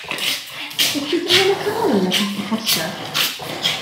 Wnest ti drio macarŵn yn y caffi posh 'na?